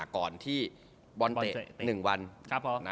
ก่อนที่บอลเตะ๑วัน